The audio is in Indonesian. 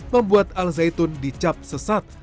membuat al zaitun dicap sesat